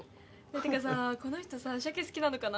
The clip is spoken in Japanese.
ってかさこの人さしゃけ好きなのかな？